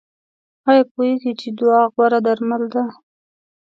ایا پوهیږئ چې دعا غوره درمل ده؟